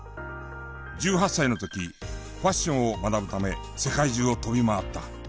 １８歳の時ファッションを学ぶため世界中を飛び回った。